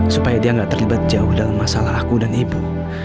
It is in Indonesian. supaya dia nggak terlibat jauh dalam masalah aku dan ibu